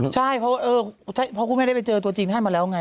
ใช่เพราะคุณแม่ได้ไปเจอตัวจริงท่านมาแล้วไง